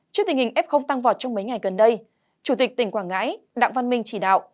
trước tình hình f tăng vọt trong mấy ngày gần đây chủ tịch tỉnh quảng ngãi đặng văn minh chỉ đạo